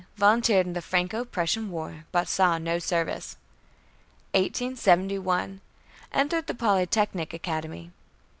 Volunteered in the Franco Prussian War, but saw no service. 1871. Entered the Polytechnic Academy.